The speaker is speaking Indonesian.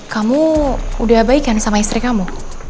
kamu udah baik kan sama istri kamu